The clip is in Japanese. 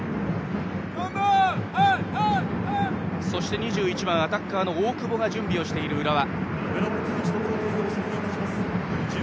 そして２１番、アタッカーの大久保が準備をしている浦和。